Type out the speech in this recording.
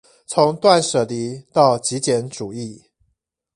從斷捨離到極簡主義